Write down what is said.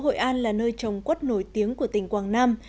hội an là nơi trồng quất nổi tiếng của tỉnh quảng nam